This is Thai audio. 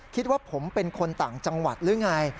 คิดว่าผมเป็นคนต่างจังหวัดหรือไง